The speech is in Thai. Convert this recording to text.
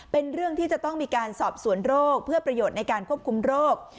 เป็นเรื่องที่จะต้องมีการสอบสวนโรคเพื่อประโยชน์ในการควบคุมโรค